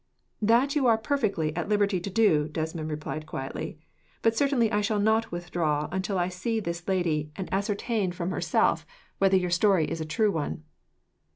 "That you are perfectly at liberty to do," Desmond replied quietly; "but certainly I shall not withdraw, until I see this lady, and ascertain from herself whether your story is a true one."